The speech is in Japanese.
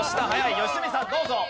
良純さんどうぞ。